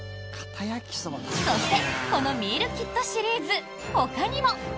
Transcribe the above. そしてこのミールキットシリーズほかにも。